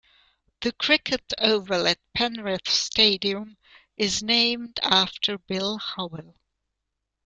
The Cricket oval at Penrith Stadium is named after Bill Howell.